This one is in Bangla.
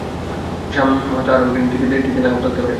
স্যাম হয়তো আরো একদিন টিকে নাও থাকতে পারে।